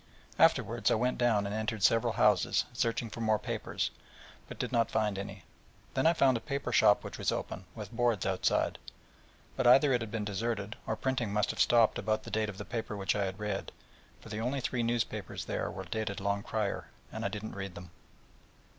Afterwards, I went down, and entered several houses, searching for more papers, but did not find any; then I found a paper shop which was open, with boards outside, but either it had been deserted, or printing must have stopped about the date of the paper which I had read, for the only three news papers there were dated long prior, and I did not read them.